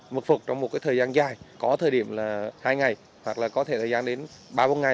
mật phục trong một thời gian dài có thời điểm là hai ngày hoặc là có thể thời gian đến ba bốn ngày